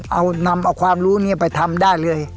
เอานำเอาความรู้นี้ไปทำได้เลย